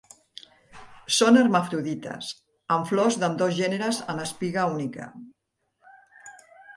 Són hermafrodites, amb flors d'ambdós gèneres en espiga única.